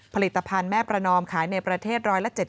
ผลิตภัณฑ์แม่ประนอมขายในประเทศ๑๗๐